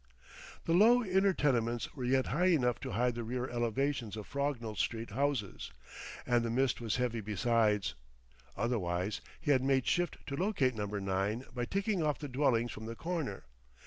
The low inner tenements were yet high enough to hide the rear elevations of Frognall Street houses, and the mist was heavy besides; otherwise he had made shift to locate Number 9 by ticking off the dwellings from the corner.